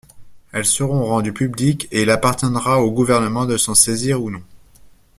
Elles seront rendues publiques et il appartiendra au Gouvernement de s’en saisir ou non.